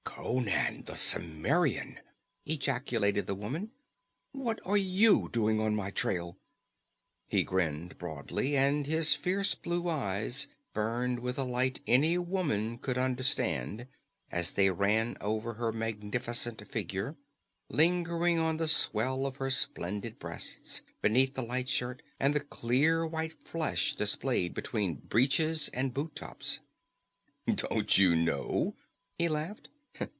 "Conan, the Cimmerian!" ejaculated the woman. "What are you doing on my trail?" He grinned hardly, and his fierce blue eyes burned with a light any woman could understand as they ran over her magnificent figure, lingering on the swell of her splendid breasts beneath the light shirt, and the clear white flesh displayed between breeches and boot tops. "Don't you know?" he laughed.